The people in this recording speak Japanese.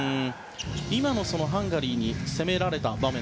今のハンガリーに攻められた場面